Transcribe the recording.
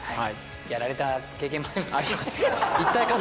やられた経験もありますからね。